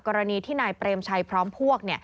กรณีที่นายเปรมชัยพร้อมพวก